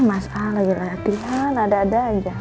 masalah lagi latihan ada ada aja